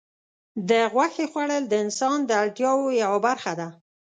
د غوښې خوړل د انسان د اړتیاوو یوه برخه ده.